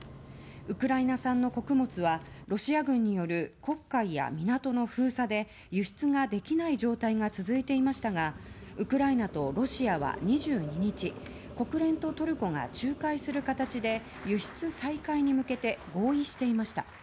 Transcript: ウクライナ産の穀物はロシア軍による黒海や港の封鎖で輸出ができない状態が続いていましたがウクライナとロシアは２２日国連とトルコが仲介する形で輸出再開に向けて合意していました。